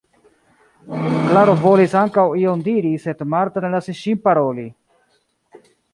Klaro volis ankoraŭ ion diri, sed Marta ne lasis ŝin paroli.